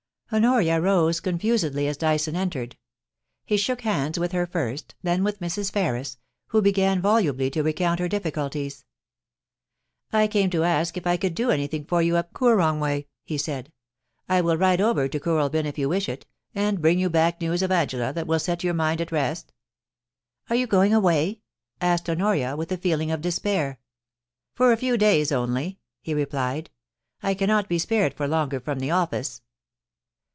Honoria rose confusedly as Dyson entered. He shook hands with her first, then with Mrs. Ferris, who began volubly to recount her difficulties. * I came to ask if I could do anything for you up Koorong way,' he said. * I will ride over to Kooralbyn if you wish it, and bring you back news of Angela that will set your mind at rest.' * Are you going away ?* asked Honoria, with a feeling of despair. * For a few days only,' he replied. * I cannot be spared for longer from the office.'